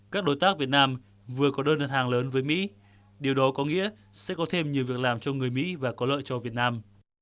các đối tác việt nam vừa có đơn đặt hàng lớn với mỹ điều đó có nghĩa sẽ có thêm nhiều việc làm cho người mỹ và có lợi cho việt nam